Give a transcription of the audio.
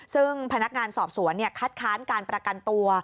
ซึ่งพนักงานสอบสวนคัดค้านการประกันตัว